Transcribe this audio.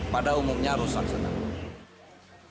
pada umumnya rusak senang